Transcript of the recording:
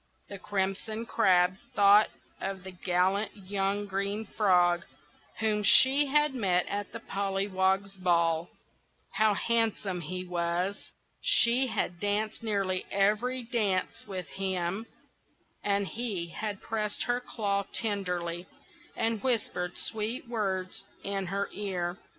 The Crimson Crab thought of the gallant young Green Frog, whom she had met at the Pollywogs' Ball. How handsome he was! She had danced nearly every dance with him, and he had pressed her claw tenderly, and whispered sweet words in her ear.